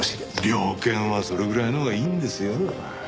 猟犬はそれぐらいのほうがいいんですよ。